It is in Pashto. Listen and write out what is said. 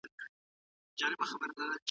ځینې خلک ستونزې نه مني.